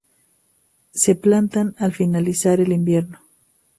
Se plantan al finalizar el invierno.